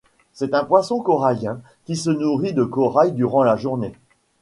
C'est un poisson corallien qui se nourrit de corail durant la journée.